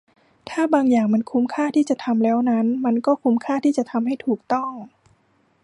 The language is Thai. ถ้าบางอย่างมันคุ้มค่าที่จะทำแล้วนั้น มันก็คุ้มค่าที่จะทำให้ถูกต้อง